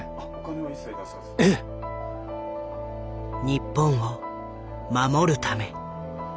「日本を守るため」。